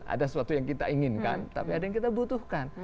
ada sesuatu yang kita inginkan tapi ada yang kita butuhkan